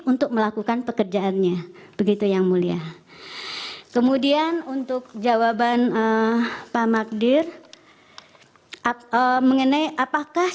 untuk melakukan pekerjaannya begitu yang mulia kemudian untuk jawaban pak magdir mengenai apakah